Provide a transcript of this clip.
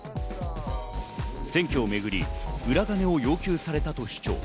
選挙をめぐり、裏金を要求されたと主張。